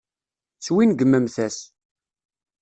Swingmemt-as.